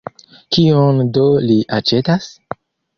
Kion do li aĉetas?